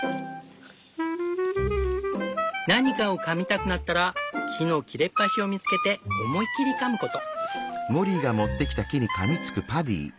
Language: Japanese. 「何かを噛みたくなったら木の切れっ端を見つけて思いっきり噛むこと」。